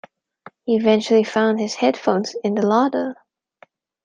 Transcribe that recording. He eventually found his headphones in the larder.